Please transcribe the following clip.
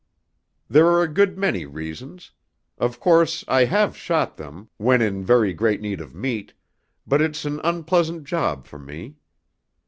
"There are a good many reasons. Of course I have shot them, when in very great need of meat; but it's an unpleasant job for me.